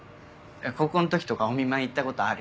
高校の時とかお見舞い行ったことあるよ。